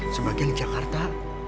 sebagian di jakarta